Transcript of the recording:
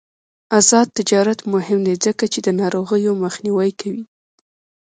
آزاد تجارت مهم دی ځکه چې د ناروغیو مخنیوی کوي.